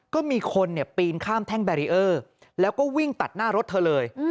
ก็มีคนปีนข้ามแท่งแบรีเออร์แล้วก็วิ่งตัดหน้ารถเธอเลย